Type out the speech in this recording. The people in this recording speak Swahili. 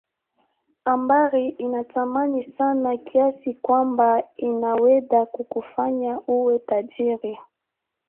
Ambari ina thamani sana kiasi kwamba inawedha kukufanya uwe tajiri